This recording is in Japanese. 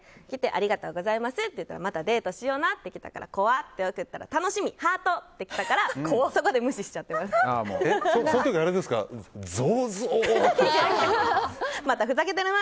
ありがとうございますって言ったらまたデートしようなって来たから怖って送ったら楽しみ、ハートって来たからその時、ぞぞーっと来た？